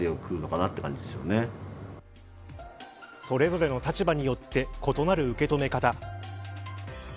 それぞれの立場によって異なる受け止め方。